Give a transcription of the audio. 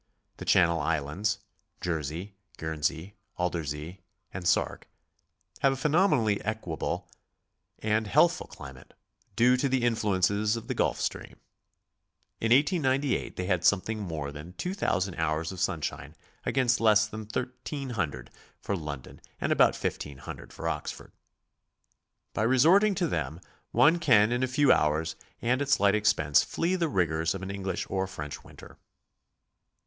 The Channel Island's (Jersey, Guernsey, Aldersey and Sark) have a phe nomenally equable and healthful climate, due to the influences of the Gulf Stream. In 1898 they had something more than 2000 hours of sunshine against less than 1300 for London and about 1500 for Oxford. By resorting to them one can in a few hours and at slight expense flee the rigors of an English or French winter.